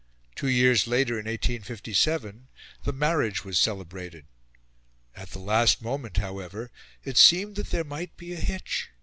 Two years later, in 1857, the marriage was celebrated. At the last moment, however, it seemed that there might be a hitch.